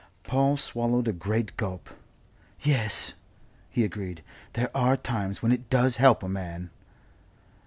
Paul swallowed a great gulp. "Yes," he agreed. "There are times when it does help a man."